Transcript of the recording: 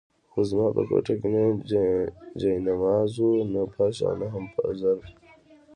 خو زما په کوټه کې نه جاینماز وو، نه فرش او نه هم ظرف.